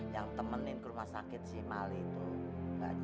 yang temenin ke rumah sakit si mali itu